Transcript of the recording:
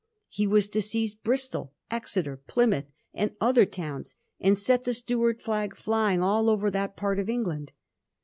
He was to seize Bristol, Exeter, Plymouth, and other towns, and set the Stuart flag flying all over that part of England.